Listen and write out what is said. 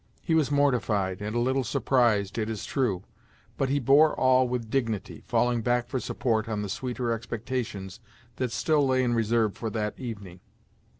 He was mortified, and a little surprised, it is true; but he bore all with dignity, falling back for support on the sweeter expectations that still lay in reserve for that evening.